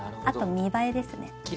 あと見栄えですね。